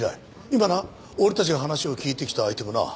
今な俺たちが話を聞いてきた相手もな